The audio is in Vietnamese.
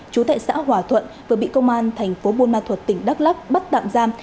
chú tại xã hòa thuận vừa bị công an thành phố buôn ma thuật tỉnh đắk lắc bắt tạm giam